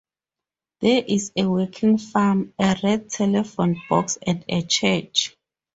There is a working farm, a red telephone box and a church.